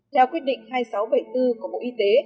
theo quyết định hai nghìn sáu trăm bảy mươi bốn của bộ y tế